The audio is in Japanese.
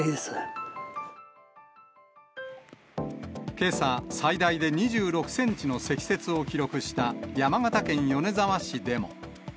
けさ、最大で２６センチの積雪を記録した山形県米沢市でも。